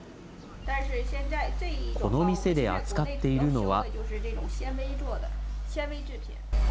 この店で扱っているのは。